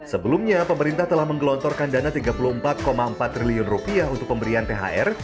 sebelumnya pemerintah telah menggelontorkan dana rp tiga puluh empat empat triliun untuk pemberian thr